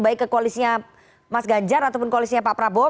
baik ke koalisinya mas ganjar ataupun koalisinya pak prabowo